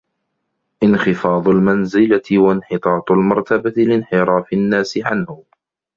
انْخِفَاضُ الْمَنْزِلَةِ وَانْحِطَاطُ الْمَرْتَبَةِ لِانْحِرَافِ النَّاسِ عَنْهُ